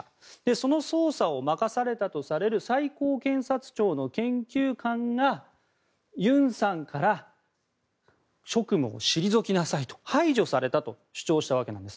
その捜査を任されたとされる最高検察庁の研究官がユンさんから職務を退きなさいと排除されたと主張したわけなんです。